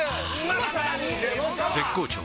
絶好調！！